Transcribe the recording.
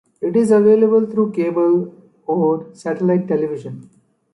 It is available through cable or satellite television.